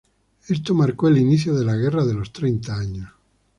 Esto marcó el inicio de la Guerra de los Treinta Años.